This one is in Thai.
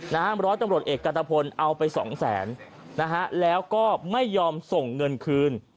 น้ำร้อยจำรวจเอกกระตะพลเอาไป๒๐๐๐๐๐บาทแล้วก็ไม่ยอมส่งเงินคืน